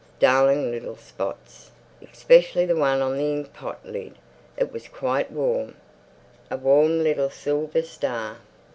Darling little spots. Especially the one on the inkpot lid. It was quite warm. A warm little silver star.